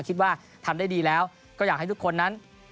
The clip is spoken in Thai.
คิดว่าทำได้ดีแล้วก็อยากให้ทุกคนนั้น